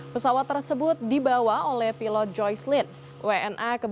pesawat tersebut dibawa oleh pilot joyce lynn wna